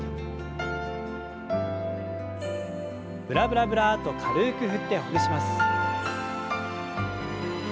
ブラブラブラッと軽く振ってほぐします。